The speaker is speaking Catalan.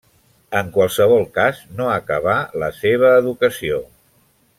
En qualsevol cas, no acabà la seva educació.